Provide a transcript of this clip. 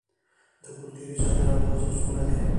د کلتوري صادراتو ارزښت څومره دی؟